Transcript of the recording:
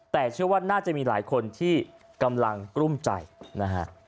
แต่เชื่อว่าน่าจะมีหลายคนที่กำลังกลุ้มใจนะฮะ